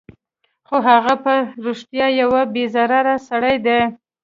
خو هغه په رښتیا یو بې ضرره سړی دی